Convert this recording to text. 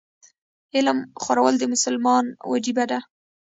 علم خورل د مسلمان وجیبه ده.